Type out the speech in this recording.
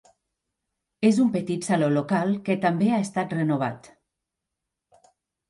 És un petit saló local, que també ha estat renovat.